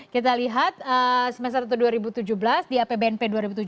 kita lihat semester satu dua ribu tujuh belas di apbnp dua ribu tujuh belas